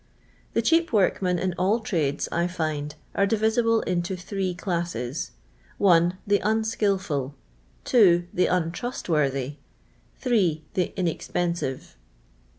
The cheap ymrtnien^ in all trades, I iiud, arc divisible into three classes :— 1. The unskilful. 2. The untrustworthy. 3. The inexpensive.